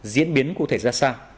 diễn biến cụ thể ra sao